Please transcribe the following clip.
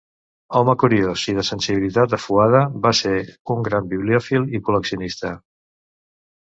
Home curiós i de sensibilitat afuada, va ser un gran bibliòfil i col·leccionista.